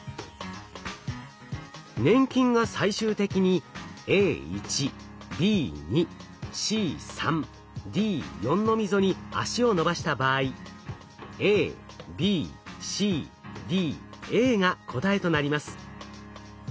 粘菌が最終的にＡ１Ｂ２Ｃ３Ｄ４の溝に足を伸ばした場合が答えとなります。